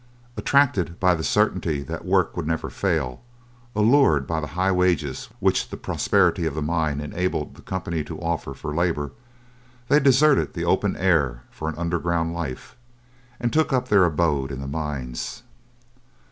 Attracted by the certainty that work would never fail, allured by the high wages which the prosperity of the mine enabled the company to offer for labor, they deserted the open air for an underground life, and took up their abode in the mines.